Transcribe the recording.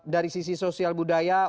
dari sisi sosial budaya